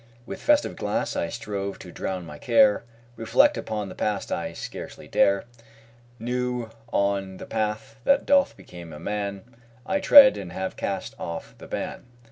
With festive glass I strove to drown my care Reflect upon the past I scarcely dare New on the path that doth become a man, I tread, and have cast off the ban.